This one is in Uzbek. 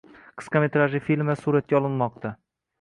Qisqa metrajli filmlar suratga olinmoqda